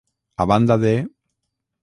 A banda de.